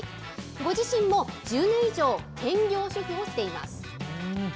ご自身も１０年以上、兼業主夫をしています。